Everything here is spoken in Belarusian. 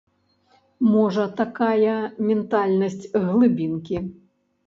Можа, такая ментальнасць глыбінкі.